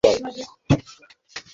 এটি একটি স্বাধীন সত্ত্বা।